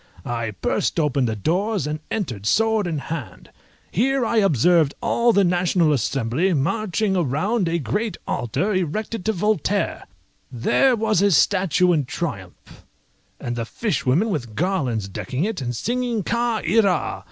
I burst open the doors, and entered sword in hand. Here I observed all the National Assembly marching round a great altar erected to Voltaire; there was his statue in triumph, and the fishwomen with garlands decking it, and singing "Ca ira!"